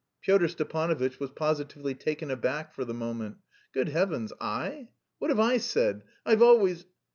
Pyotr Stepanovitch was positively taken aback for the moment. "Good heavens! I.... What have I said? I've always..."